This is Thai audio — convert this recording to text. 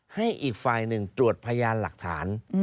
ให้อีกฝ่ายหนึ่งตรวจพยานหลักฐาน